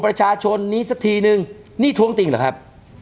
ประชาชนนี้สักทีนึงนี่ท้วงติงเหรอครับ